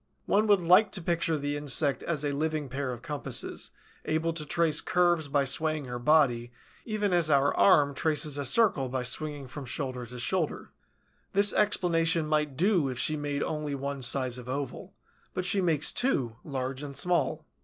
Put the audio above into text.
One would like to picture the insect as a living pair of compasses, able to trace curves by swaying her body, even as our arm traces a circle by swinging from the shoulder. This explanation might do if she made only one size of oval; but she makes two, large and small.